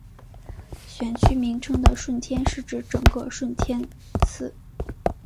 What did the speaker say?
选区名称的顺天是指整个顺天邨。